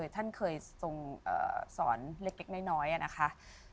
ท่านเคยทรงสอนเล็กน้อยนะคะ